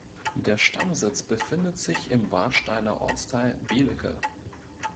Der Stammsitz befindet sich im Warsteiner Ortsteil Belecke.